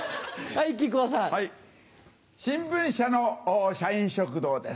新聞社の社員食堂です。